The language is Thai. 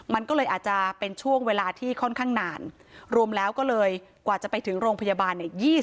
มันก็เลยอาจจะเป็นช่วงเวลาที่ค่อนข้างนานรวมแล้วก็เลยกว่าจะไปถึงโรงพยาบาลเนี่ย